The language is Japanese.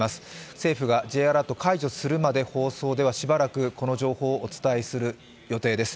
政府がＪアラート解除するまで放送ではしばらくこの情報をお伝えする予定です。